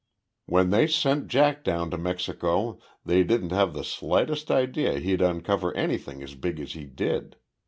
When they sent Jack down to Mexico they didn't have the slightest idea he'd uncover anything as big as he did.